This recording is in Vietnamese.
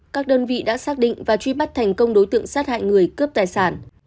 các đơn vị đã xác định và truy bắt thành công đối tượng sát hại người cướp tài sản